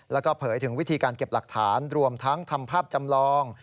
แล้วก็เผยถึงวิธีการเก็บหลักฐานรวมทั้งทำภาพจำลอง